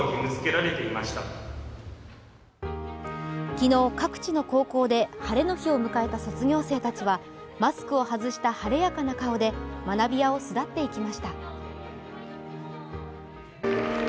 昨日、各地の高校で晴れの日を迎えた卒業生たちはマスクを外した晴れやかな顔で学びやを巣立っていきました。